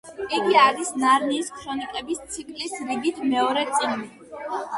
იგი არის ნარნიის ქრონიკების ციკლის რიგით მეორე წიგნი.